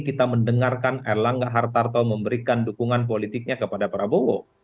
kita mendengarkan erlangga hartarto memberikan dukungan politiknya kepada prabowo